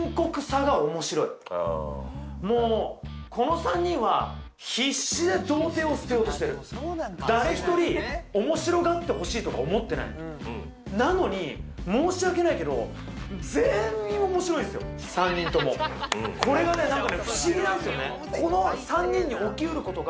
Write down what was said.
もうこの３人は必死で童貞を捨てようとしてる誰一人おもしろがってほしいとか思ってないなのに申し訳ないけど全員おもしろいんすよ３人ともこれがねなんかね不思議なんすよね